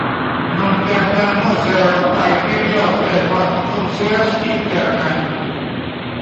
Nuntempe muzeo kaj biblioteko funkcias interne.